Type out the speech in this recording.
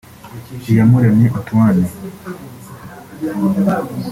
Iyamuremye Antoine